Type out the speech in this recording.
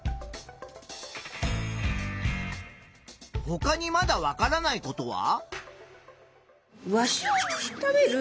ほかにまだわからないことは？